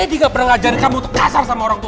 daddy gak pernah ngajarin kamu terkasar sama orang tua